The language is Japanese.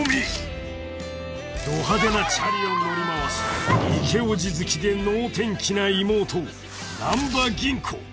［ど派手なチャリを乗り回すイケオジ好きで能天気な妹難破吟子］